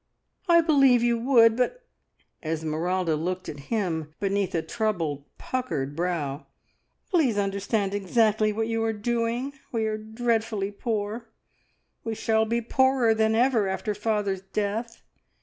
"I believe you would, but " Esmeralda looked at him beneath a troubled, puckered brow "please understand exactly what you are doing! We are dreadfully poor we shall be poorer than ever after father's death.